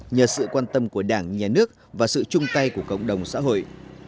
nhờ sự quan tâm của đảng nhà nước và sự chung tay của cộng đồng xã hội